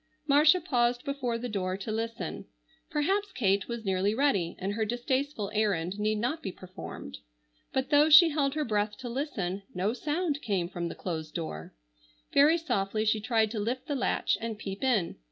Marcia paused before the door to listen. Perhaps Kate was nearly ready and her distasteful errand need not be performed. But though she held her breath to listen, no sound came from the closed door. Very softly she tried to lift the latch and peep in.